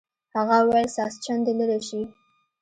هغه وویل ساسچن دې لرې شي.